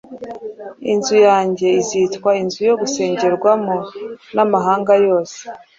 Inzu yanjye izitwa inzu yo gusengerwamo n’amahanga yose.”